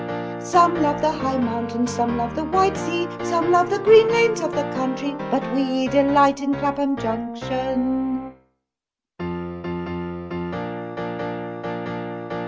4. Some love the high mountains, some love the wide sea, Some love the green lanes of the country, but we Delight in Clappum Junction.